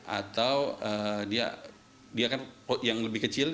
atau dia kan yang lebih kecil